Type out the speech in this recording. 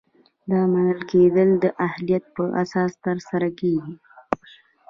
دا منل کیدل د اهلیت په اساس ترسره کیږي.